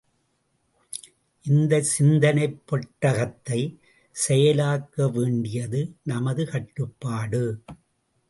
இந்தச் சிந்தனைப் பெட்டகத்தைச் செயலாக்க வேண்டியது நமது கடப்பாடு.